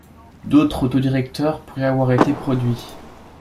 D'autres autodirecteurs pourraient avoir été produits.